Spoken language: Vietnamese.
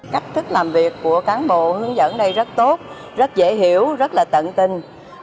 cách thức làm việc của cán bộ hướng dẫn đây rất tốt rất dễ hiểu rất là tận tình